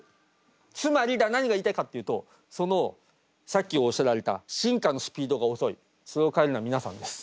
つまりだ何が言いたいかっていうとそのさっきおっしゃられた進化のスピードが遅いそれを変えるのは皆さんです。